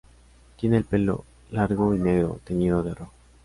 Tiene el pelo largo y negro, teñido de rojo.